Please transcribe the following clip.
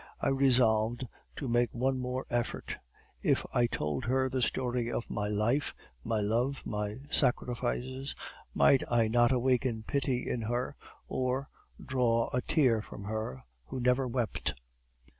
I resolved to make one more effort. If I told her the story of my life, my love, my sacrifices, might I not awaken pity in her or draw a tear from her who never wept?